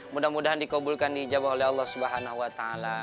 mudah mudahan dikabulkan di ijabah oleh allah swt